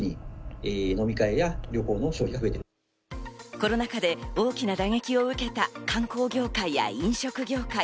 コロナ禍で大きな打撃を受けた観光業界や飲食業界。